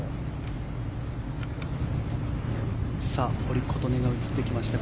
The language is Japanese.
堀琴音が映ってきました。